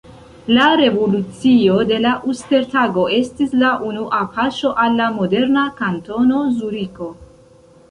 La revolucio de la Uster-Tago estis la unua paŝo al la moderna Kantono Zuriko.